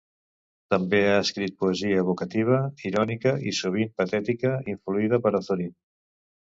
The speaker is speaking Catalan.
També ha escrit poesia evocativa, irònica i sovint patètica influïda per Azorín.